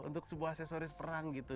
untuk sebuah aksesoris perang gitu